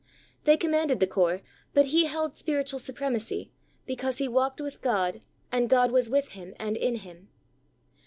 They commanded the corps, but he held spiritual supremacy because he walked with God, and God was with him and in him.